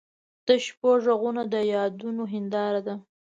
د شپو ږغونه د یادونو هنداره ده.